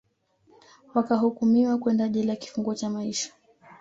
wakahukumiwa kwenda jela kifungo cha maisha